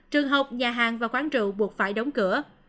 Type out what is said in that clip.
trường học nhà hàng và quán trụ buộc phải đóng cửa